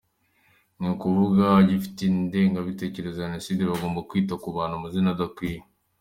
Ni ukuvuga abagifite ingengabitekerezo ya Jenoside bagakomeza kwita abantu amazina adakwiye.